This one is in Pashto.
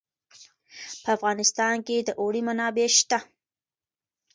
په افغانستان کې د اوړي منابع شته.